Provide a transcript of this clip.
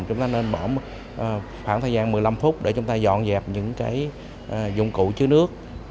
chúng ta nên bỏ khoảng thời gian một mươi năm phút để chúng ta dọn dẹp những cái dụng cụ chứa nước